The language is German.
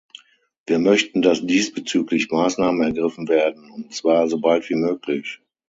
Wir möchten, dass diesbezüglich Maßnahmen ergriffen werden, und zwar so bald wie möglich!